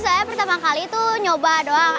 soalnya pertama kali tuh nyoba doang